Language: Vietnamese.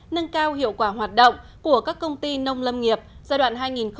nâng cao hiệu quả hoạt động của các công ty nông lâm nghiệp giai đoạn hai nghìn một mươi năm hai nghìn một mươi bảy